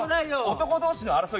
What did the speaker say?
男同士の争い